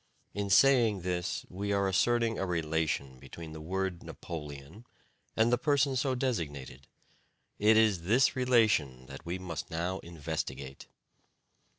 In saying this, we are asserting a relation between the word "Napoleon" and the person so designated. It is this relation that we must now investigate.